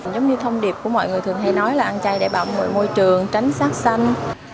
giống như thông điệp của mọi người thường hay nói là ăn chay để bảo vệ môi trường tránh sát xanh